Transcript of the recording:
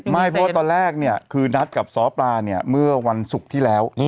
ไม่เพราะว่าตอนแรกนี่คือนัดกับซ้อปลาเมื่อวันสุขที่แล้ว